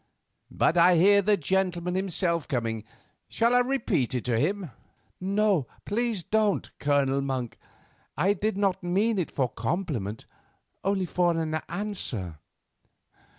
But I hear the gentleman himself coming. Shall I repeat it to him?" "No, please don't, Colonel Monk. I did not mean it for compliment, only for an answer."